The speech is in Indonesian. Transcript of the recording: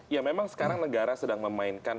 ya memang sekarang negara sedang memainkan